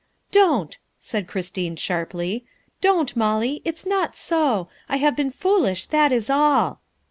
'' "Don't," cried Christine sharply, ''don't, Molly! It's not so. I have been foolish, that is all."